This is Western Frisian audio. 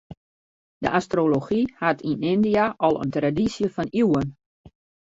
De astrology hat yn Yndia al in tradysje fan iuwen.